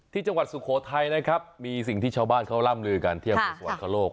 ที่จังหวัดสุโขทัยนะครับมีสิ่งที่เช้าบ้านเขาร่ำลือการเที่ยวสวรรคโลก